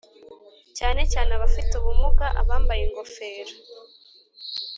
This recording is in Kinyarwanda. cyane cyane abafite ubumuga Abambaye ingofero